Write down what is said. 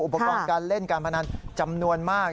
อุปกรณ์การเล่นการพนันจำนวนมาก